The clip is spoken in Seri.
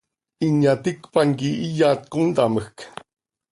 ¿Inyaticpan quih iyat contamjc?